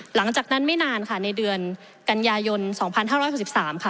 หลังจากนั้นไม่นานค่ะในเดือนกันยายนสองพันห้าร้อยหกสิบสามค่ะ